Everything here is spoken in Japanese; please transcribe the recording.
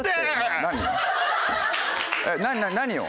何を？